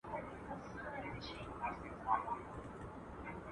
وروسته کوم بدلونونه په ټولنه کي راغلل؟